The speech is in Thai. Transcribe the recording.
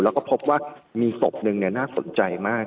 แล้วก็พบว่ามีศพหนึ่งน่าสนใจมาก